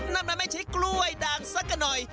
นั่นไม่ใช่กล้วยดังสักหน่อย